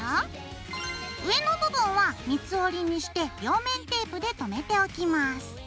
上の部分は三つ折にして両面テープで留めておきます。